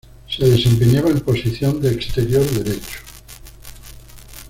Se desempeñaba en posición de exterior derecho.